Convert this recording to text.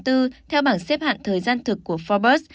theo bảng xếp hạn thời gian thực của forbes